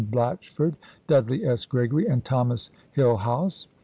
Blatchford, Dudley S. Gregory, and Thomas Hill house.